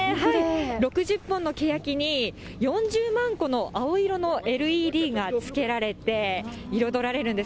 ６０本のけやきに、４０万個の青色のＬＥＤがつけられて、彩られるんです。